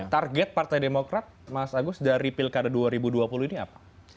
target partai demokrat mas agus dari pilkada dua ribu dua puluh ini apa